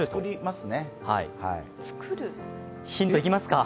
ヒントいきますか。